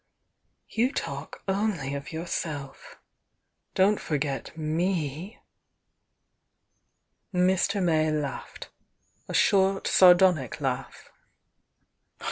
"You talk only of yourself,— don't forget me!" IVfr. May laughed— a short, sardonic laugh.